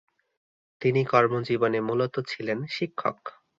তিনি কর্মজীবনে মূলত ছিলেন শিক্ষক।